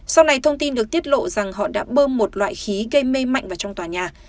sau này thông tin được tiết lộ rằng họ đã bơm một loại khí gây mê mạnh vào trong tòa nhà